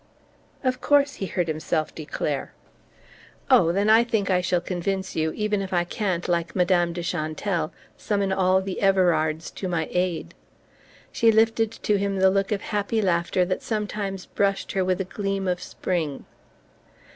"Of course," he heard himself declare. "Oh, then I think I shall convince you even if I can't, like Madame de Chantelle, summon all the Everards to my aid!" She lifted to him the look of happy laughter that sometimes brushed her with a gleam of spring.